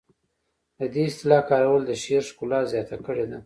د دې اصطلاح کارول د شعر ښکلا زیاته کړې ده